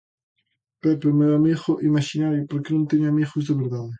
Pepe, o meu amigo imaxinario porque non teño amigos de verdade.